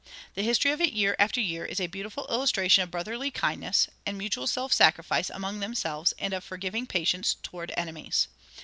The history of it year after year is a beautiful illustration of brotherly kindness and mutual self sacrifice among themselves and of forgiving patience toward enemies.